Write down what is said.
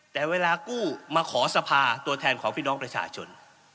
แต่เวลากู้มาขอสภาตัวแทนของพี่น้องประชาชน